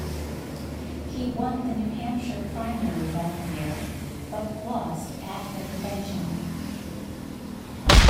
He won the New Hampshire primary that year but lost at the convention.